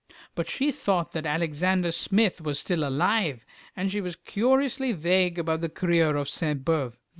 But she thought that Alexander Smith was still alive, and she was curiously vague about the career of Saint Beuve.